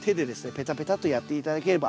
ペタペタッとやって頂ければ。